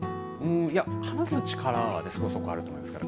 いや、話す力はねそこそこあると思いますけど。